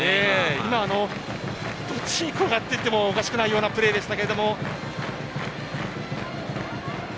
今のは打ちにかかっていってもおかしくないようなプレーでした。